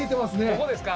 ここですか？